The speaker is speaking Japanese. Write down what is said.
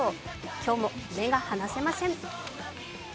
今日も目が離せません。